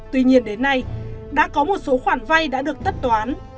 tuy nhiên đến nay đã có một số khoản vay đã được tất toán